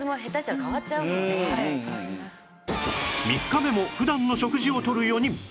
３日目も普段の食事をとる４人